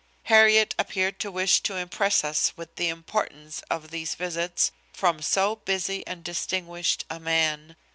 Harriet appeared to wish to impress us with the importance of these visits from so busy and distinguished a man.